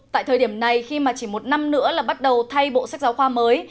tại thời điểm này khi mà chỉ một năm nữa là bắt đầu thay bộ sách giáo khoa mới